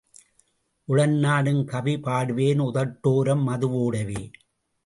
உளம் நாடும் கவி பாடுவேன் உதட்டோரம் மது வோடவே.